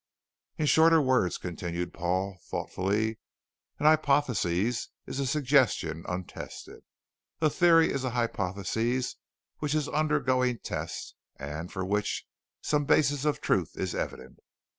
"In shorter words," continued Paul thoughtfully, "An hypothesis is a suggestion untested. A theory is an hypothesis which is undergoing test and for which some basis of truth is evident.